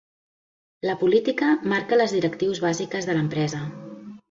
La política marca les directrius bàsiques de l'empresa.